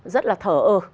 rất là thờ ơ